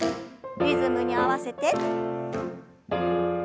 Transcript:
リズムに合わせて。